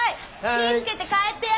気ぃ付けて帰ってや。